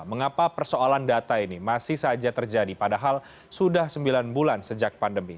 mengapa persoalan data ini masih saja terjadi padahal sudah sembilan bulan sejak pandemi